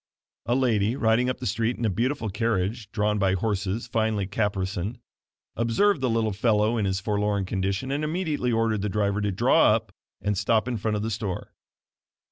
A lady riding up the street in a beautiful carriage, drawn by horses finely caparisoned, observed the little fellow in his forlorn condition and immediately ordered the driver to draw up and stop in front of the store.